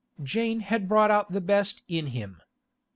Jane had brought out the best in him.